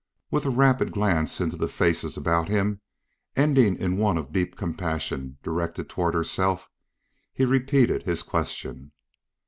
With a rapid glance into the faces about him, ending in one of deep compassion directed toward herself, he repeated his question.